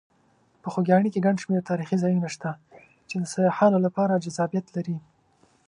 په خوږیاڼي کې ګڼ شمېر تاریخي ځایونه شته چې د سیاحانو لپاره جذابیت لري.